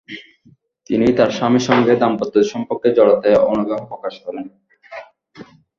তিনি তাঁর স্বামীর সঙ্গে দাম্পত্য সম্পর্কে জড়াতে অনাগ্রহ প্রকাশ করেন।